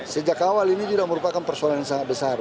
sejak awal ini tidak merupakan persoalan yang sangat besar